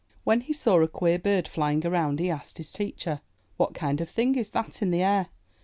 When he saw a queer bird flying around he asked his teacher, ''What kind of a thing is that in the air?